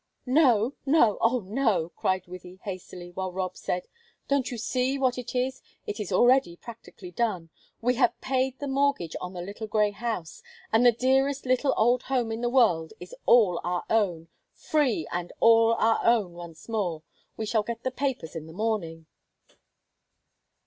"No, no oh, no," cried Wythie, hastily, while Rob said: "Don't you see what it is? It is already practically done. We have paid the mortgage on the little grey house, and the dearest little old home in the world is all our own, free and all our own, once more. We shall get the papers in the morning."